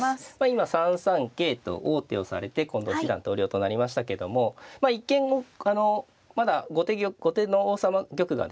今３三桂と王手をされて近藤七段投了となりましたけども一見まだ後手の玉がですね